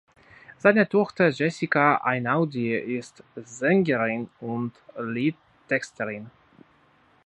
Seine Tochter Jessica Einaudi ist Sängerin und Liedtexterin.